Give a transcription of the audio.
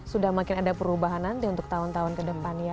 sudah makin ada perubahan nanti untuk tahun tahun ke depan ya